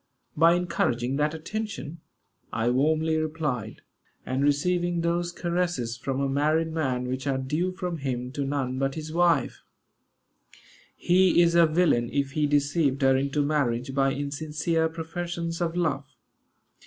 "By encouraging that attention," I warmly replied, "and receiving those caresses, from a married man which are due from him to none but his wife. He is a villain if he deceived her into marriage by insincere professions of love.